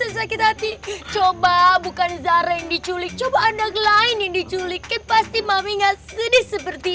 sakit hati coba bukan zara yang diculik coba anda gelar ini diculikin pasti mami enggak jadi seperti